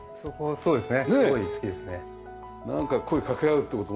そうですね。